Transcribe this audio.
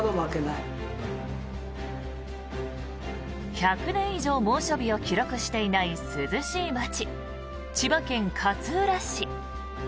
１００年以上猛暑日を記録していない涼しい街千葉県勝浦市。